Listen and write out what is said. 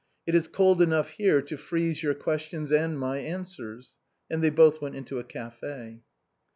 It is cold enough here to freeze your questions and my answers." And they both went into a café.